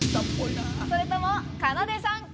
それともかなでさんか。